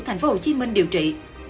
thành phố hồ chí minh điều trị